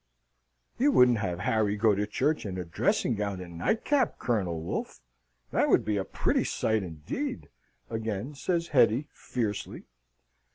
"You wouldn't have Harry go to church in a dressing gown and nightcap, Colonel Wolfe? That would be a pretty sight, indeed!" again says Hetty, fiercely.